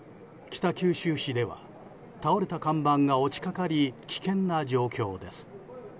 北九州市では倒れた看板が落ちかかり危険な状況です。